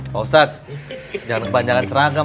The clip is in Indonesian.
pak ustadz jangan kebanyakan seragam